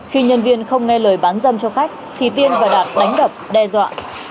khi nhân viên không nghe lời bán dâm cho khách thì tiên và đạt đánh đập đe dọa